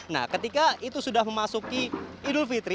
nah ketika itu sudah memasuki idul fitri